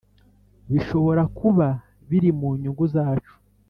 bishobora kuba birimunyungu zacu."